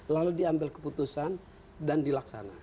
lalu diambil keputusan dan dilaksanakan